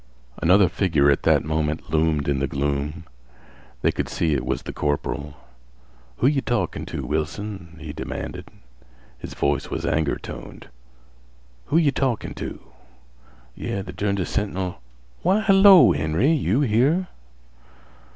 Another figure at that moment loomed in the gloom. They could see that it was the corporal. "Who yeh talkin' to, Wilson?" he demanded. His voice was anger toned. "Who yeh talkin' to? Yeh th' derndest sentinel—why—hello, Henry, you here?